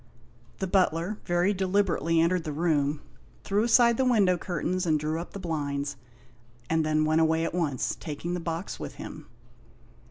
The butler very deliberately entered the room, threw aside the window curtains and drew up the blinds, and then went away at once, taking the box with him.